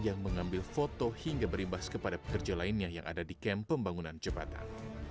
yang mengambil foto hingga berimbas kepada pekerja lainnya yang ada di kamp pembangunan jembatan